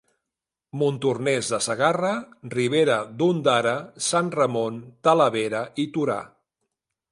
Montornès de Segarra, Ribera d'Ondara, Sant Ramon, Talavera i Torà.